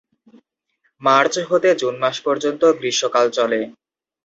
March হতে June মাস পর্যন্ত গ্রীষ্ম কাল চলে।